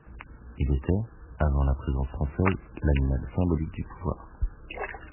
Il était, avant la présence française, l'animal symbolique du pouvoir.